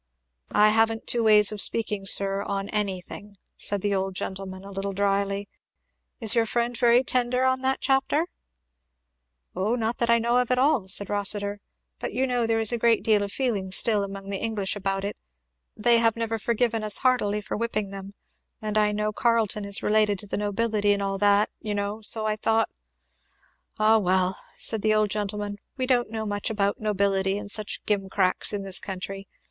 "I haven't two ways of speaking, sir, on anything," said the old gentleman a little dryly. "Is your friend very tender on that chapter?" "O not that I know of at all," said Rossitur; "but you know there is a great deal of feeling still among the English about it they have never forgiven us heartily for whipping them; and I know Carleton is related to the nobility and all that, you know; so I thought " "Ah well!" said the old gentleman, "we don't know much about nobility and such gimcracks in this country.